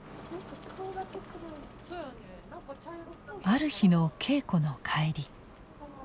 ある日の稽古の帰り。